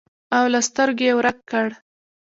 او له سترګو یې ورک کړ.